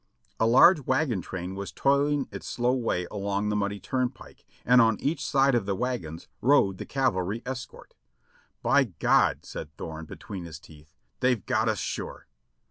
A large wagon train v/as toiling its slow way along the muddy turnpike, and on each side of the wagons rode the cavalry escort. "By God !" said Thorne between his teeth, "they've got us sure."